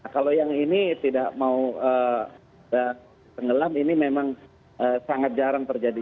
kalau yang ini tidak mau tenggelam ini memang sangat jarang terjadi